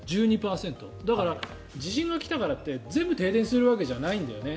だから地震が来たからって全部が停電するわけじゃないんだよね。